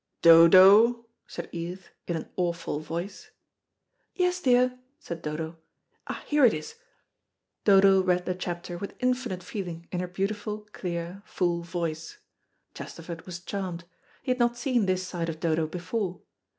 "Dodo," said Edith, in an awful voice. "Yes, dear," said Dodo. "Ah, here it is." Dodo read the chapter with infinite feeling in her beautiful clear, full voice. Chesterford was charmed. He had not seen this side of Dodo before.